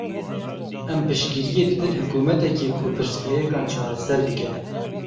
Em piştgiriyê didin hikûmeteke ku pirsgirêkan çareser bike.